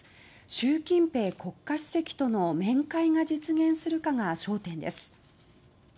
習近平国家主席との面会が実現するかが焦点です。